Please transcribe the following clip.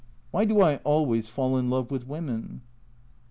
Why do I always fall in love with women